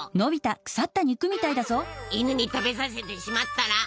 犬に食べさせてしまったら！